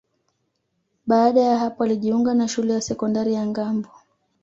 Baada ya hapo alijiunga na Shule ya Sekondari ya Ngambo